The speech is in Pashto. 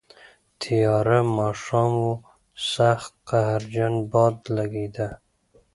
تیاره ماښام و، سخت قهرجن باد لګېده.